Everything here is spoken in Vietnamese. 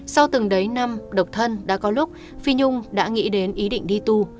sau từng đấy năm độc thân đã có lúc phi nhung đã nghĩ đến ý định đi tù